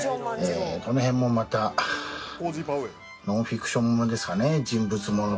この辺もまたノンフィクションものですかね人物ものといいますか。